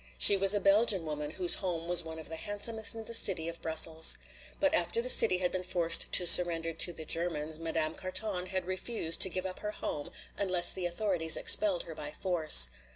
She was a Belgian woman whose home was one of the handsomest in the city of Brussels. But after the city had been forced to surrender to the Germans, Madame Carton had refused to give up her home unless the authorities expelled her by force.